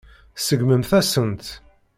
Tseggmemt-asen-tt.